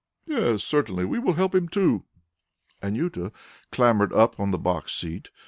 "Yes, certainly. We will help him too." Anjuta clambered up on the box seat.